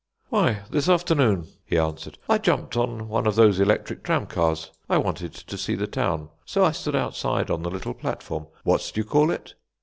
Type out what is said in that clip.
"Why, this afternoon," he answered, "I jumped on one of those electric tramcars. I wanted to see the town, so I stood outside on the little platform what do you call it?"